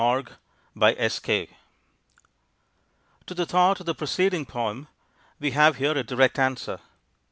_ OPPORTUNITY To the thought of the preceding poem we have here a direct answer.